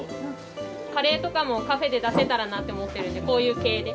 カレーとかもカフェで出せたらなって思ってるんでこういう系で。